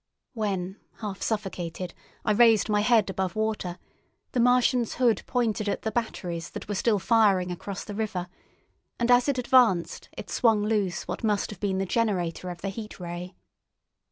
When, half suffocated, I raised my head above water, the Martian's hood pointed at the batteries that were still firing across the river, and as it advanced it swung loose what must have been the generator of the Heat Ray.